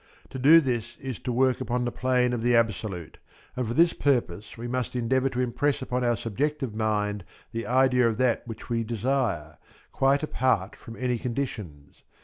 To do this is to work upon the plane of the absolute, and for this purpose we must endeavour to impress upon our subjective mind the idea of that which we desire quite apart from any conditions.